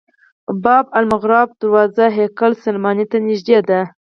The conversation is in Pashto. باب المغاربه دروازه هیکل سلیماني ته نږدې ده.